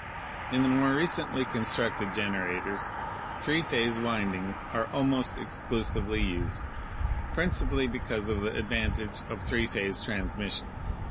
In the more recently constructed generators three phase windings are almost exclusively used, principally because of the advantage of three phase transmission.